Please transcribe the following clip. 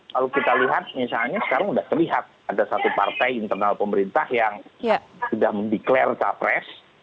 kalau kita lihat misalnya sekarang sudah terlihat ada satu partai internal pemerintah yang sudah mendeklarasi capres